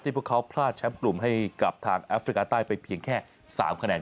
พวกเขาพลาดแชมป์กลุ่มให้กับทางแอฟริกาใต้ไปเพียงแค่๓คะแนน